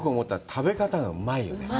食べ方がうまいよね。